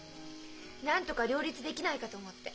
なんとか両立できないかと思って。